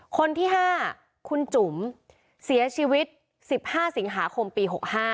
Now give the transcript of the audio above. คนที่๕คุณจุ๋มเสียชีวิต๑๕สิงหาคมปี๖๕